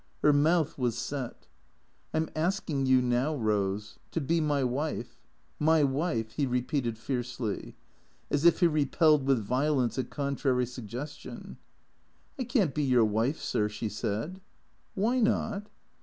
Her mouth was set. " I 'm asking you now, Eose. To be my wife. My wife," he repeated fiercely, as if he repelled with violence a contrary suggestion. " 1 can't be your wife, sir," she said. "Why not?"